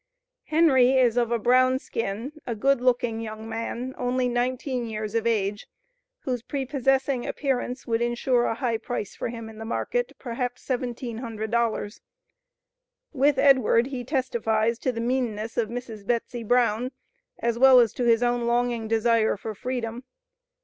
Henry is of a brown skin, a good looking young man, only nineteen years of age, whose prepossessing appearance would insure a high price for him in the market perhaps $1,700. With Edward, he testifies to the meanness of Mrs. Betsy Brown, as well as to his own longing desire for freedom.